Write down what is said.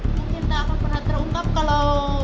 mungkin tak akan pernah terungkap kalau